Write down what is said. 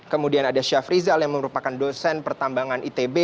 kemudian ada syafrizal yang merupakan dosen pertambangan itb